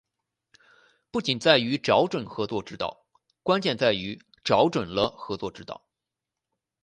不仅在于找准合作之道，关键在于找准了合作之道